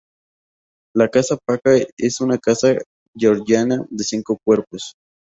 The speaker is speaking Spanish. La Casa Paca es una casa georgiana de cinco cuerpos.